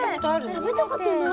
食べたことない。